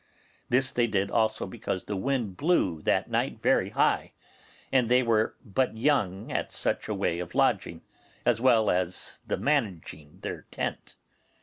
This they did also because the wind blew that night very high, and they were but young at such a way of lodging, as well as at the managing their tent.